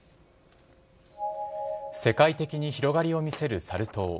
世界的に広がりを見せるサル痘。